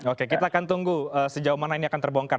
oke kita akan tunggu sejauh mana ini akan terbongkar